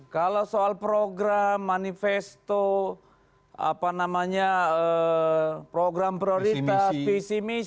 kalau soal program manifesto program prioritas visi misi